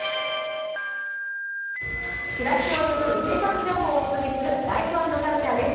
暮らしを彩る生活情報をお届けする「ライフ＆カルチャー」です。